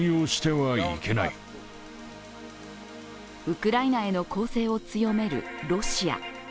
ウクライナへの攻勢を強めるロシア。